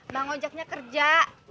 bang ojaknya kerja